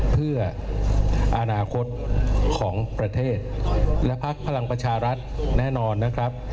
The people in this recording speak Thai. เพื่ออนาคตของประเทศและพักพลังประชารัฐแน่นอนนะครับ